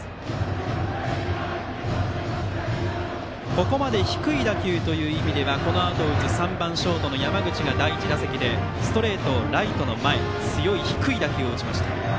ここまで低い打球という意味ではこのあとを打つ３番ショートの山口が第１打席でストレートをライトの前へ強い低い打球を打ちました。